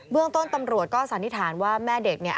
เรื่องต้นตำรวจก็สันนิษฐานว่าแม่เด็กเนี่ย